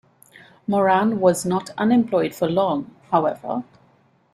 Moran was not unemployed for long, however.